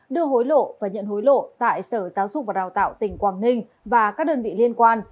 đưa hối lộ và nhận hối lộ tại sở giáo dục và đào tạo tỉnh quảng ninh và các đơn vị liên quan